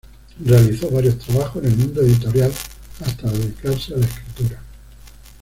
Realizó varios trabajos en el mundo editorial hasta dedicarse a la escritura.